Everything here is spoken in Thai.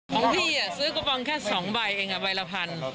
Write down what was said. ของพี่อ่ะซื้อกูปองแค่สองใบเองอ่ะใบละพัน